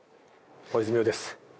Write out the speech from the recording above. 大泉洋です。